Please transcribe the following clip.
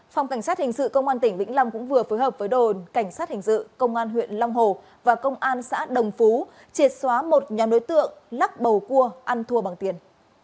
phòng cảnh sát hình sự công an tỉnh vĩnh long cũng vừa phối hợp với đồn cảnh sát hình sự công an huyện long hồ và công an xã đồng phú triệt xóa một nhà đối tượng lắc bầu cua ăn thua bằng tiền